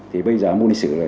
thì bây giờ môn lịch sử